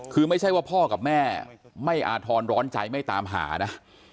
คือไม่ใช่ว่าพ่อกับแม่ไม่อาทรร้อนใจไม่ตามหานะ